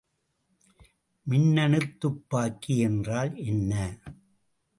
மின்னணுத் துப்பாக்கி என்றால் என்ன?